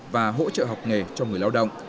và hỗ trợ học nghề cho người lao động